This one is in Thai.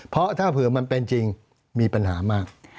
เพราะถ้าเผื่อมันเป็นจริงมีปัญหามาก